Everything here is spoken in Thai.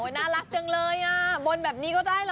น่ารักจังเลยบนแบบนี้ก็ได้เหรอ